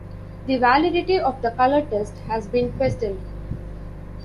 The validity of the color test has been questioned.